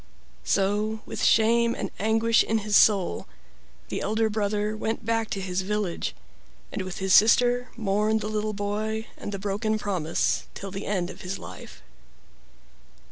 So, with shame and anguish in his soul, the elder brother went back to his village, and with his sister mourned the little boy and the broken promise till the end of his life.